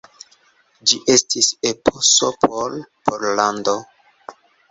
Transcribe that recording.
Ĝi estis eposo por Pollando.